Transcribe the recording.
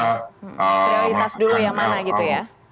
prioritas dulu yang mana gitu ya